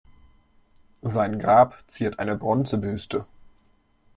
Sein Grab ziert eine Bronzebüste.